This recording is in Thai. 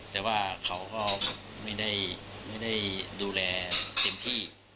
แต่ว่าเขาก็ไม่ได้ดูแลเต็มที่